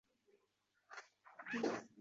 Qabri uzra